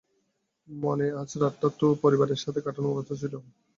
মানে, আজ রাতটা তো পারিবারের সাথে কাটানোর কথা ছিল।